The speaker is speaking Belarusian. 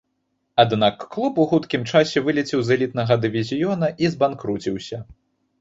Аднак клуб у хуткім часе вылецеў з элітнага дывізіёна і збанкруціўся.